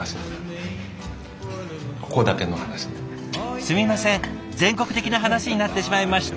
すみません全国的な話になってしまいました。